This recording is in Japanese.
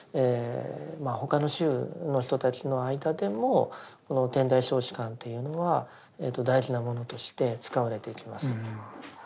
他の宗の人たちの間でもこの「天台小止観」というのは大事なものとして使われていきます。